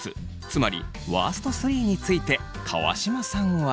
つまりワースト３について川島さんは。